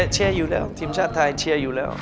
เชียร์อยู่แล้วทีมชาติไทยเชียร์อยู่แล้ว